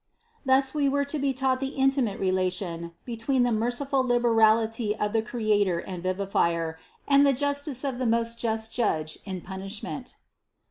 Thus we were to be taught the inti mate relation between the merciful liberality of the Cre ator and Vivifier and the justice of the most just Judge in punishment.